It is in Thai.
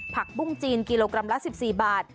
ปุ้งจีนกิโลกรัมละ๑๔บาท